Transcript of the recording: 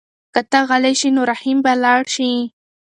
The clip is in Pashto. که ته غلی شې نو رحیم به لاړ شي.